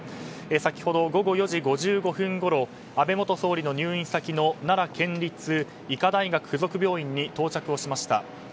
先ほど午後４時５５分ごろ安倍元総理の入院先の奈良県立医科大学附属病院に到着をしました。